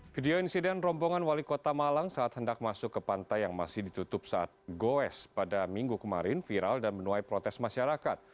video insiden rombongan wali kota malang saat hendak masuk ke pantai yang masih ditutup saat goes pada minggu kemarin viral dan menuai protes masyarakat